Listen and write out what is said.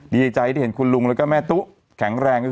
ดีใจที่เห็นคุณลุงและแม่ตุ๊กแข็งแรง